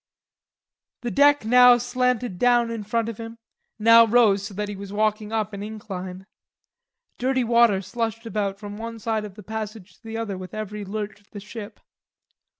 The deck now slanted down in front of him, now rose so that he was walking up an incline. Dirty water slushed about from one side of the passage to the other with every lurch of the ship.